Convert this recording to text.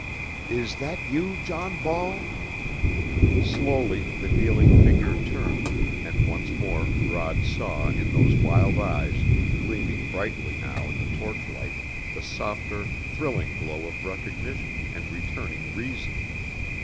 "Is that you, John Ball?" Slowly the kneeling figure turned, and once more Rod saw in those wild eyes, gleaming brightly now in the torch light, the softer, thrilling glow of recognition and returning reason.